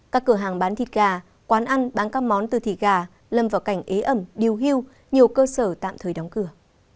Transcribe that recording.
các cửa hàng bán thịt gà quán ăn bán các món từ thịt gà lâm vào cảnh ế ẩm điều hưu nhiều cơ sở tạm thời đóng cửa